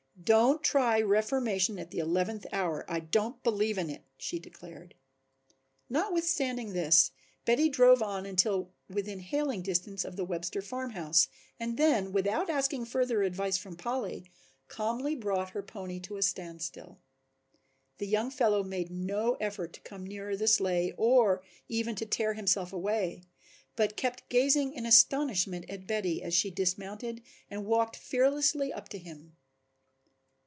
"Don't try reformation at the eleventh hour, I don't believe in it," she declared. Notwithstanding this Betty drove on until within hailing distance of the Webster farm house and then, without asking further advice from Polly, calmly brought her pony to a standstill. The young fellow made no effort to come nearer the sleigh or even to tear himself away, but kept gazing in astonishment at Betty as she dismounted and walked fearlessly up to him.